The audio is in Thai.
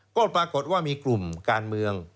ก็ปรากฏว่ามีกลุ่มการเมือง